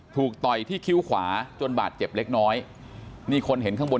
ต่อยที่คิ้วขวาจนบาดเจ็บเล็กน้อยนี่คนเห็นข้างบน